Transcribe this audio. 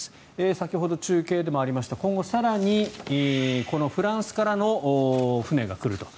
先ほど中継でもありました今後、更にフランスからの船が来ると。